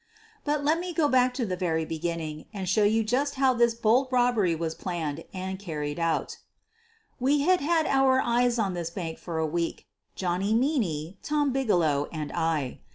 But let me go back to the very beginning and show you just how this bold robbery was planned and carried out We had had our eyes on this bank for a week — Johnny Meaney, Tom Bigelow, and I.